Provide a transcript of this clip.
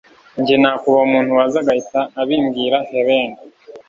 jye nakubaha umuntu waza agahita abimbwira helen